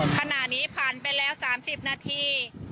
ขณะนี้ผ่านไปแล้ว๓๐นาที